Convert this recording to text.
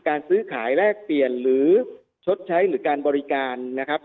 การซื้อขายแลกเปลี่ยนหรือชดใช้หรือการบริการนะครับ